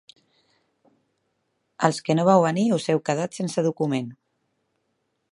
Els que no vau venir us heu quedat sense document.